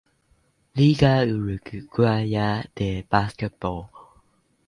Liga Uruguaya de Basketball